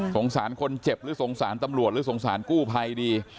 สงสารคนเจ็บหรือสงสารตำรวจหรือสงสารกู้ภัยดี